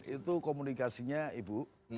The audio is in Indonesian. itu komunikasinya ibu